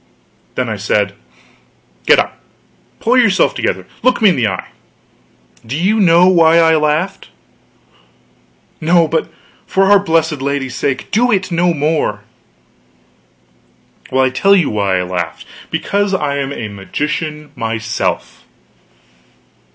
Then I said: "Get up. Pull yourself together; look me in the eye. Do you know why I laughed?" "No but for our blessed Lady's sake, do it no more." "Well, I'll tell you why I laughed. Because I'm a magician myself."